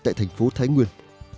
thành phố thái nguyên